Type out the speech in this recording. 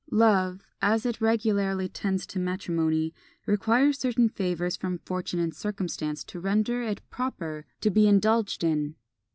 "Love, as it regularly tends to matrimony, requires certain favours from fortune and circumstances to render it proper to be indulged in."